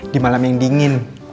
di malam yang dingin